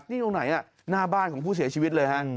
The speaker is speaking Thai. นี่ตรงไหนหน้าบ้านของผู้เสียชีวิตเลยฮะ